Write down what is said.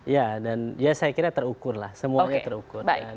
ya saya kira terukur lah semuanya terukur